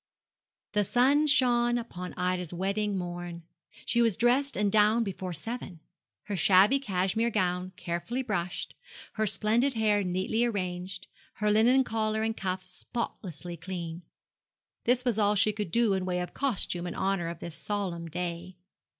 The sun shone upon Ida's wedding morn. She was dressed and down before seven her shabby cashmere gown carefully brushed, her splendid hair neatly arranged, her linen collar and cuffs spotlessly clean. This was all she could do in the way of costume in honour of this solemn day.